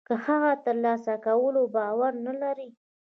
که هغه د تر لاسه کولو باور و نه لري.